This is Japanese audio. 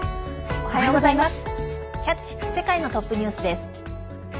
おはようございます。